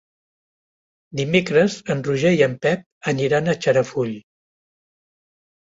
Dimecres en Roger i en Pep aniran a Xarafull.